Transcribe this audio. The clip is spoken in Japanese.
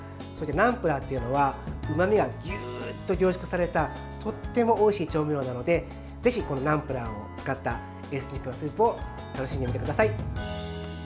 ナムプラーというのはうまみがギュッと凝縮されたとってもおいしい調味料なのでぜひナムプラーを使ったエスニックスープを楽しんでください。